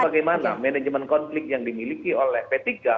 bagaimana manajemen konflik yang dimiliki oleh p tiga